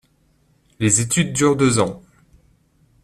Les études durent deux ans.